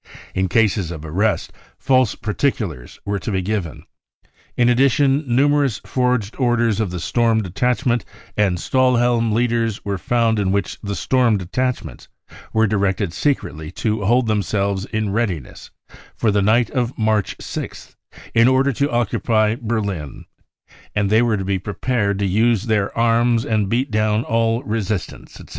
In cases of arrest, false particulars were to be given. In addition, numerous forged orders of the Storm Detachment and Stahihelm leaders were found in which the Storm Detachments were directed secretly to hold themselves in readiness for the night of March 6 th, in order to occupy Berlin, and they were to he prepared to use their arms and beat down all resistance, etc.''